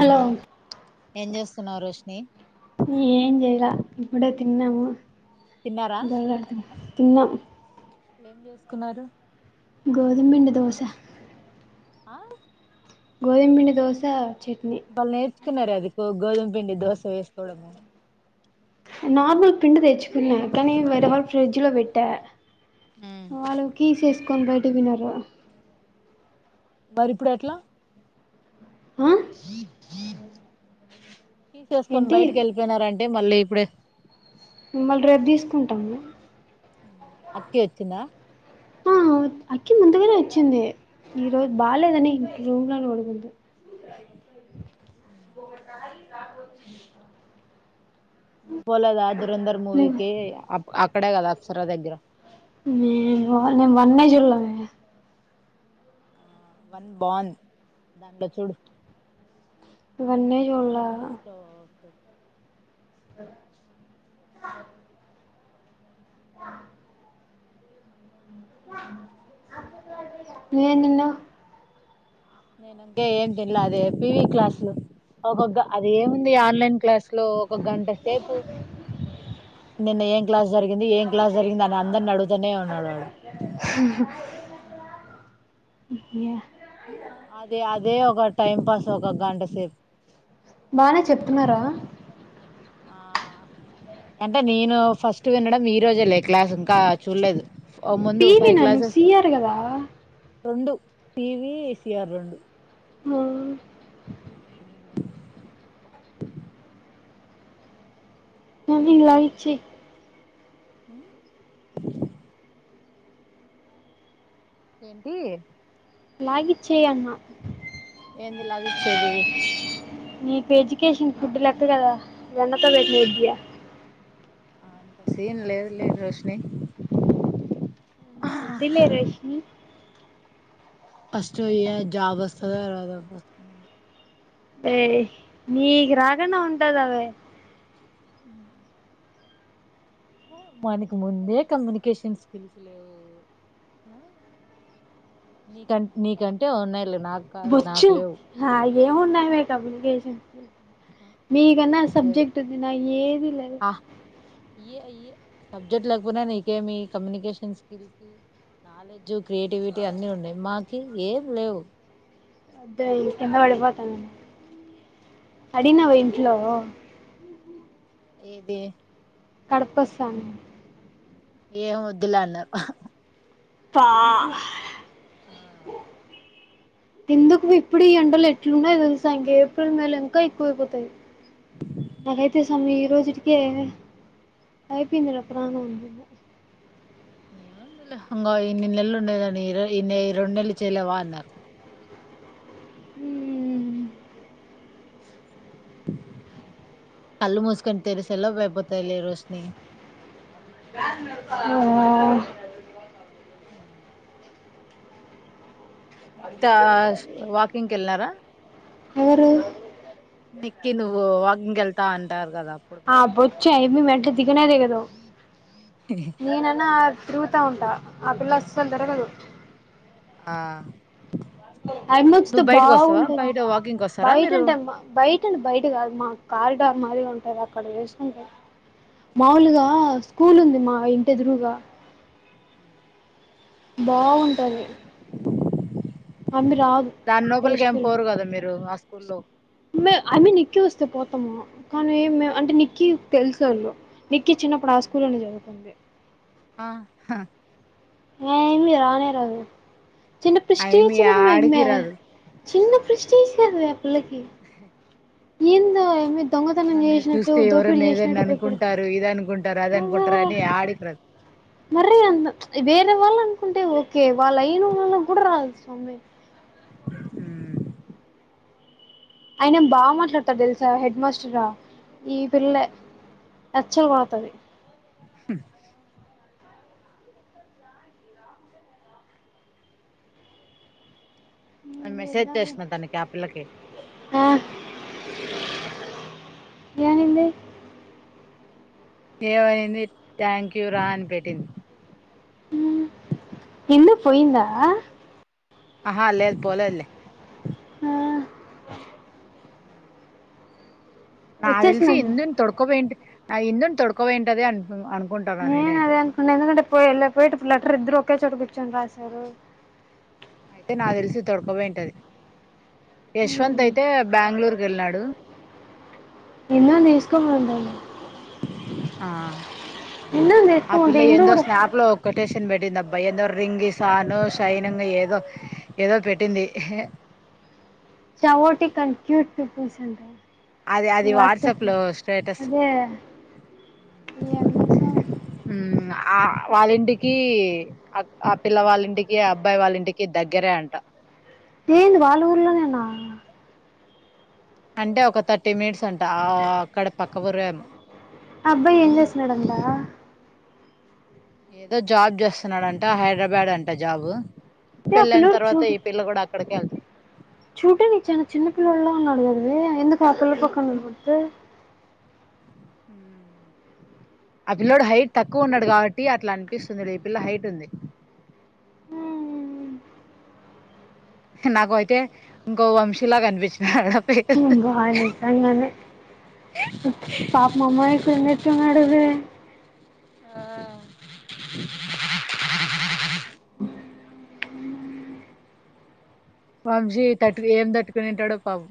Hello ఏం చేస్తున్నావు రోషిని ఏం జెయలా ఇప్పుడే తిన్నాము తిన్నారా దగాడుతున్నాం తిన్నా ఏం చేసుకున్నారు గోదు మిండి దోస ఆ గోధుమిండి దోశ చట్నీ వాళ్ళు నేర్చుకున్నారు అది గొ గోధుమ్ పిండి దోశ వేసుకోవడము నార్మల్ పిండి తెచ్చుకున్నక కని వేరే వాళ్ ఫ్రిడ్జ్ లో పెట్ట వాల్లు కీస్ ఏస్కోని బయటికి పోయినారు మరి ఇప్పుడు ఎట్లా ఆ కీసేసుకొని ఏంటి బయటకి వెళ్ళిపోయినారంటే మళ్ళీ ఇప్పుడే మళ్ళీ రేపు తీసుకుంటాము అక్కి వచ్చిందా ఆ అక్కి ముందుగానే వచ్చింది ఈరోోజు బాలేదని రూంలానే పడుకుంది ఉమ్ త తుచ్ నువ్ పోలేదా దురంధర్ మూవీకి అప్ అక్కడే కదా అప్సరా దగ్గర మేము నేను వన్నె చూళ్ళే మీ వన్ బాన్ దానిలో చూడు వన్నే చుళ్ల నెట్ఫ్లిక్స్ లో చూడు. అ-అ ఆ నేన్ నిన్న నేను ఇంకే ఏం తిినలే అది ఎపి క్లాస్సు ఒగ్గా అది ఏముంది ఆన్లైన్ క్లాసు స్లో ఒక గంట సేపు నిన్న ఎం క్లాస్ జరిగింది ఎం క్లాస్ జరిగింది అని అందరినీ ఆడుగుతనే ఉన్నాడు వాడు చ్ హు [unintelligible] అదే అదే ఒక టైం పాస్ ఒక గంట సేప్ బానే చెప్తున్నారా ఆ అంటే నేను ఫస్ట్ వినడం ఈ రోజే లే క్లాస్ ఇంకా చూలేదు ఒ ముందు పీవి ఫై నన్ను క్లాస్సేస్ సీఆర్ కదా రెండు టీవీ ఏసీర్ రెండు మ బ్లాంక్ మమ్మీ న్ లవిచ్చి ఉమ్ ఏంటి లగ్గిచ్చేయ్ అన్న ఎంది లగి ఇచ్చేది నీకు ఎడ్యుకేషన్ ఫుడ్ లెక్క గాద వెన్నతో వెట్టిన విద్య అంత సీన్ లేదులే రోషిని వద్దులే రష్మీ ఫస్ట్య జాబ్ వస్తదా రాధా ఎయ్ నీక్ రకండ ఉంటదవే ఉమ్ మనకి ముందే కమ్యూనికేషన్ స్కిల్స్ లేవు ఆ నీక నీకంటే ఉన్నాయి లే బొచ్చు నాకెమున్నాయి మె కమ్యనికేషన్ మీకన్నా ఏ- సబ్జెక్టు ఉంది నక్ ఏది లేదు ఆ ఇయే ఇయే సబ్జెక్ట్ లేకపోయినా నీకేమి కమ్యూనికేషన్ స్కిల్స్ నాలెడ్జ్ క్రియేటివిటీ అన్నీ ఉన్నాయి మాకి ఏం లేవ్ అద్దే కింద పడిపోతన్నాయ్ అడినవ ఇంట్లో ఏంది కడప కోస్తా అనీ ఏం వొద్దులే అన్నారు పా హ్ ఆ ఎందుకు ఇప్పుడు ఈ ఎండలు ఎట్లున్నాయి తెలుసా ఇంక ఏప్రిల్ మే లో ఇంకా ఎక్కువైపోతాయి అదే చూ ఈరోజుటికే ఐపోయిందిలే ప్రాణం వుంగో ఇన్ని నెలలు ఉండేదని ర ఇన్నే రెండు నెలలు చేయలేవా అన్నారు ఉమ్ కళ్ళు మూసుకొని తెరిసెలోపు ఐపోతాయిలే రోషిని ఆ ఉమ్. మీకిత వాకింగ్ వెళ్ళారా ఎవరు క నువ్వు వాకింగ్ వెళ్తా అంటారు కదా వచ్చే ఆయమ్మీ మెట్లు దిగనేదిగదు నేనన్నా తిరుగుతా ఉంటా ఆ పిల్ల అస్సలు తిరగదు ఆ ఆయమ్మొచ్చితె నువ్వు బయటకి వస్తావా బాగుంటది బయట వాకింగ్ వస్తారా బయట మీరు అంటే మ బయట్ బయట కాదు మ కారిడారు మాదిర్ గా ఉంటది అక్కడ వేసుకుంట ఆ! మాములుగా స్కూల్ ఉంది మా ఇంటి ఎదురుగా హ్మ్. బాగు టాది దాని లోపలికి ఏం పోరు గదా మీరు ఆ స్కూల్లో న్ అని నిక్కీ వస్తే పోతాము మ కానీ ఎ అంటే నిక్కి తెల్సొళ్ళు కి చిన్నప్పుడు ఆ హ్మ్. స్కూల్లోనే చదువుకుంది ఆ హ ఆ యెమ్మి రానే రాదు చిన్న అయమి ప్రెస్టేజ్ కాదు అ ఆడికి యెమ్మి రాదు చిన్న ఆ! ప్రెస్టేజ్ కాదయే ఆ పిల్లకి ఎందో ఆ యమ్మీ దొంగతనం నన్ను జేసినట్టు చూస్తే దోపిడి ఎవరన్నా ఏదన్నా చేసినట్టు భయపడుతుంది అనుకుంటారు ఇది అనుకుంటారు అది అనుకుంటారు ఆ అని ఆడికి రాదు మరి అన్న వేరే వాళ్ళు అనుకుంటే ఓకే వాళ్ళు అయిన వాళ్ళ కూడా రాదు స్వామి ఉమ్ అయన బాగా మాట్లాడతాడు తెలుసా హెడ్ మాస్టర్ రా ఈ పిల్లె అచ్చ వాతారీ హ్. నేను మెసేజ్ చేసిన తనకి ఆ పిల్లకి ఆహ్. ఏమైంది. ఏమైంది థ్యాంకూ రా అని పెట్టింది. ఎందుకు పోయిందా. ఆహా లేద్ పోలేద్లే ఆహు నా తెలిసి వచ్చేసినాం ఇందు నీ తొడుకోబయింట్ ఆ ఇందు తొడుకోవేయింటదే అంత్ నేన్ అదే అనుకున్న ఎందుకంటె పో పోయేటప్పుడు లెటర్ ఇద్దరు ఒకే చోట కూర్చొని రాసేరు అయితే నాకు దెలిసి తొడకపోయింటది. ఏశ్వంత్ అయితే బెంగుళూరు కెళ్ళాడు. మిన్నన్ ఎసుకోమంటాది. ఆహ్ ఎన్నో ఆ తీసుకోమంటే పిల్ల ఇందు ఏందొ కూడా స్నాప్లో ఒకట్. కోటెషన్ పెట్టిందబ్బాయి ఏందో రి రింగి సాను షైనింగ్ ఏదో ఏదో పెట్టింది హ్. సావోటిక్ కంట్రూట్ పీపుల్స్ అంట. అది అది వాట్సాప్ లో స్టేటస్ అదే. ఎందాస్సల్. ఆహ్ వాళ్ళింటికి ఆక్ ఆ పిల్ల వాళ్ళింటికి అబ్బాయి వాళ్ళింటికి దగ్గేరే అంట. ఏంది వాళ్ళుర్లోనేనా. అంటే ఒక థర్టీ మిట్స్ అంట ఆ అక్కడే పక్క వురేమ్. అబ్బాయి ఏం జేస్తున్నడంటా. యేదో జాబ్ జేస్తున్నాడంట హైడ్రాబాద్ అంట జాబ్. ఏ ఆ పెళ్ళైన పిల్లోడు తర్వాత చూడు ఈ పిల్ల గుడా అక్కడికే ఎల్తాద్. చూడ్డానికి చానా చిన్న పిల్లలలా ఉన్నడుగాదేవే ఎందుకు ఆ పిల్ల పక్కంనే గుర్తె. ఉమ్మ్. ఆపిల్లోడు హైట్ తక్కువున్నాడు గావట్టి అట్లా అన్పిస్తుంది రే ఈ పిల్ల హైట్ ఉంది. ఉమ్మ్. నాగోయితే ఇంకో వంశీలగా అనిపిస్తున్నాడు. ఆహా ఆహా మ్మ్ గాడ్ [unintelligible] పాపం అమాయకుడు ఉన్నట్టున్నాడు వే. ఆహ్. వంశీ తట్టు ఏం దట్టుకునింటాడో పాపం.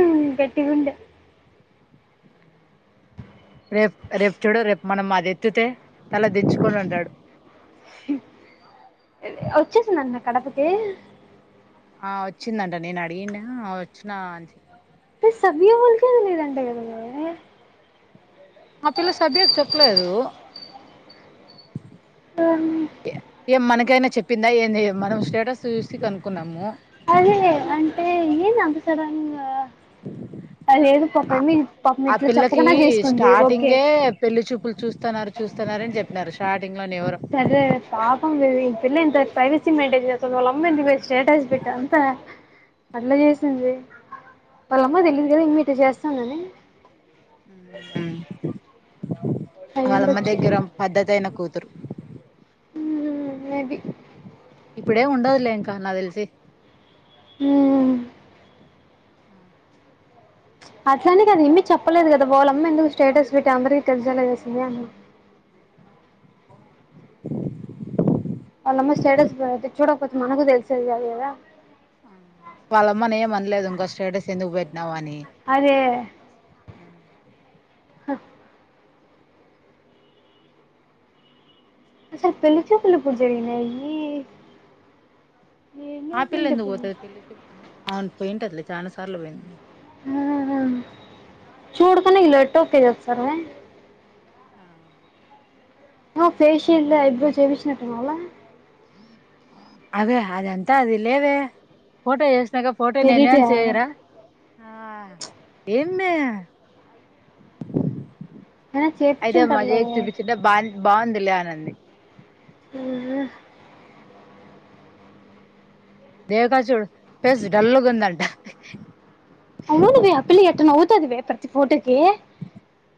మ్మ్ గట్టిగుండే. రేప్ రేప్ చుడు రేప్ మనం అది ఎత్తితే తల దిచ్చుకొని ఉంటాడు. వచ్చేసిందంటానా కడపకి. ఆహ్ ఓచ్చిందంట నేన్ అడిగింన ఓచ్చిన అన్ చెప్ప్. ఎ సవ్యంగలేదంటగదవే. ఆపిల్ల సబ్యాక్ చెప్పలేదు. యే ఏం మనకైనా చెప్. పింద ఏంది మనం స్టేటస్ సూసి కనుక్కున్నాము. అదే అంటే ఏంది అంత సడన్గా. ఆ పాపం ఆ ఇట్లా పిల్లకి చెప్పకుండా చేసుకుంది ఓకే స్టార్టింగే పెళ్లి చూపుల్ చూస్తన్నారు చూ. చూస్తున్నారని జేప్పినారు స్టార్టింగ్లోనే ఎవరో. అదె పాపం గదే పిల్లా ఇంత ప్రైవసీ మెయింటేన్ చేస్తది వాళ్ళ అమ్మ ఏందివే స్టేటస్ పెట్. అట్లా చేస్తుంది వాళ్ళమ్మకి దేలిదు గాదా ఇమే ఇట్టా జేస్తుందని. ఉమ్మ్ వాళ్ళమ్మ అయ్యుండొచ్చు దగ్గర పద్ధతి అయిన. కూతురు. ఉమ్మ్ మేబి. ఇప్పుడేమ్ ఉడదులే ఇంకా నాదెల్సి ఉమ్మ్ ఉహ్మ్. బ్లాంక్ అట్లానే గదా ఎమీ చెప్పలేదు కదా వాళ్ళమ్మ ఎందుకు స్టేటస్ పెట్టి అందరికీ తెలిసేల చేసింది అని బ్లాంక్ వాళ్ళమ్మ స్టేటస్ పే చూడపోతే మనకు తెలిసేది కాదు కదా వాళ్ళమ్మని ఏం అనలేదు ఇంకో స్టేటస్ ఎందుకు అదే ఉమ్ హ అసలు పెళ్ళి చూపులు ఎప్పుడు జరిగినయీ ఆ పిల్ల ఎందుకు పోతది పెళ్లి చూపు ఆ అవును పోయింటదిలే చానా సార్లు పోయింది ఆ చూడ్కని ఇలు ఎట్ట ఓకే చేప్తరె ఆ ఆ ఫేశియల్ ఐబ్రో చెపిచినట్టుండాల అదే అదంత అది లేదే ఫోటో ఎస్ నగ ఫోటో నేనే ఎడిట్ ఎం చేయరా అయినా ఆ ఏమ్మే అయితే చేపించుంటారులే మజై చూపించుంటే బా బాగుంది లే అనంది ఉహు దేవక చూడు ఫేస్ డల్లుగుందంట అవునువె అప్పిల్ల ఎట్ట నవుతాదివే ప్రతి ఫోటోకి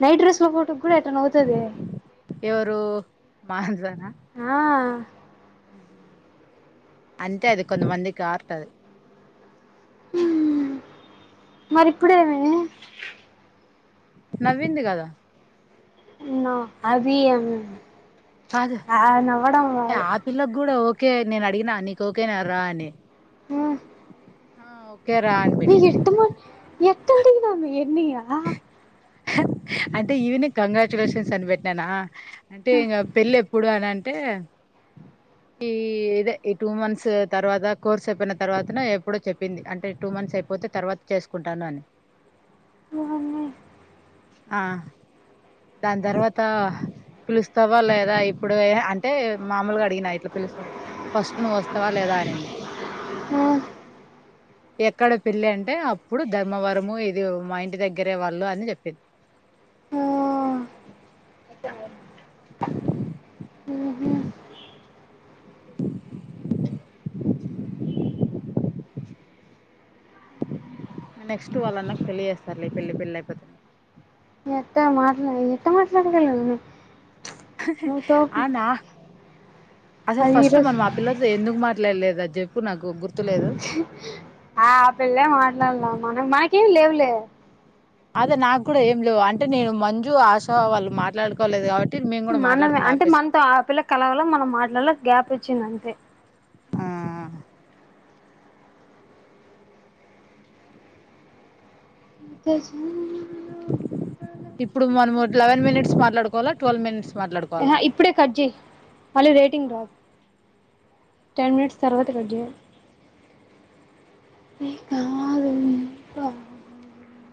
నైట్ డ్రెస్ ఫోటో కూడా ఎట్టనవుతదే ఎవరు ఆ అంటే అది కొంతమందికి ఆర్ట్ అది హ్మ్ మరి ఇప్పుడేమాయే నవ్వింది గదా నొ అవి యన్ కాదు ఆ పిల్లకి కూడా ఓకే నేను అడిగిన నీకు ఓకే న రా అని ఆ హ ఒకేరా అని పెట్టింది ఎట్టి ఉంటిందమ్మి యేన్నియ అంటే ఈవనే కంగ్రాచులేషన్స్ అని పెట్నానా అంటే ఇంగా పెళ్ళి ఎప్పుడు అనంటే ఈ ఇదే ఈ టూ మంత్స్ తర్వాత కోర్స్ అయిపోయిన తర్వాతనో ఎప్పుడో చెప్పింది అంటే టూ మంత్స్ అయిపోతే తర్వాత చేసుకుంటాను అని వార్నీ ఆ దాని తర్వాత పిలుస్తావా లేదా ఇప్పుడె అంటే మామూలుగా అడిగినా ఇట్లా పిలుస్తావా అంటే ఫస్ట్ నువ్వు వస్తావా లేదా అనింది ఆ ఎక్కడ పెళ్ళి అంటే అప్పుడు ధర్మవరము ఇది మా ఇంటి దగ్గరే వాళ్ళు అని చెప్పింది ఆ బ్లాంక్ ఉమ్ బ్లాంక్ నెక్స్ట్ వాళ్ళన్నకు పెళ్ళి చేస్తరులే పెళ్లి పెళ్లి అయిపోతె మీ అత్తయ మాట్లాడ ఎట్ట మాట్లాడగలను నువ్వు తోపు అనా అసలు అది ఫస్ట్ ఈరోజు మనం ఆ పిల్లతో ఎందుకు మాట్లాడలేదు అది చెప్పు నాకు గుర్తులేదు ఆ పిల్లె మాట్లాడలే మనం మనకేమి లేవులే అదే నాకు కూడా ఏం లేవు అంటే నేను మంజు ఆశా వాళ్ళు మాట్లాడుకోలేదు కాబ మనమే అంటే మనతో ఆ పిల్ల కలవలె మనం మాట్లాల్లె గ్యాప్ ఇచ్చిందంతే ఆహ్ నీ కోస ఇప్పుడు మనము లెవెన్ మినిట్స్ మాట్లాడుకోవాల ట్వల్వ్ మినిట్స్ యహ మాట్లాడుకోవాలా ఇప్పుడే కట్ చేయి మళ్ళీ రేటింగ్ రాదు టెన్ మినిట్స్ తరువాత కట్ చేయ్ ఇ కాలం